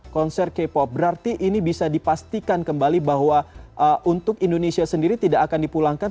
konser k pop berarti ini bisa dipastikan kembali bahwa untuk indonesia sendiri tidak akan dipulangkan